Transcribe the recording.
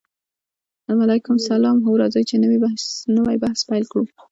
وعلیکم السلام هو راځئ چې نوی بحث پیل کړو